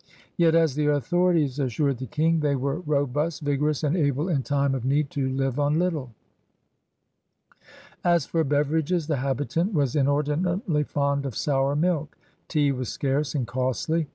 Yet, as the authorities assured 216 CRUSADEBS OF NEW FRANCE the King, they were ^^robust, vigorous, and able in time of need to live on little/' As for beverages, the habitant was inordinately fond of sour milk. Tea was scarce and costly.